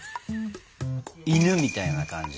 犬みたいな感じの。